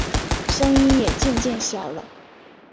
声音也渐渐小了